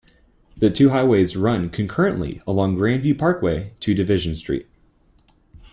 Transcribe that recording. The two highways run concurrently along Grandview Parkway to Division Street.